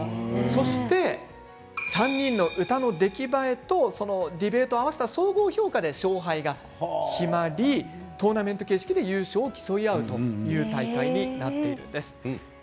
そして、３人の歌の出来栄えとディベートを合わせた総合評価で勝敗が決まりトーナメント形式で優勝を競い合うという大会になってるんです。